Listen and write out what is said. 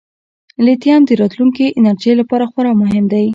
لیتیم د راتلونکي انرژۍ لپاره خورا مهم دی.